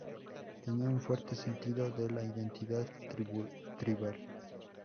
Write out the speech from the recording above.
Tenía un fuerte sentido de la identidad tribal.